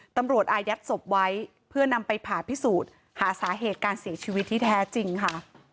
อายัดศพไว้เพื่อนำไปผ่าพิสูจน์หาสาเหตุการเสียชีวิตที่แท้จริงค่ะ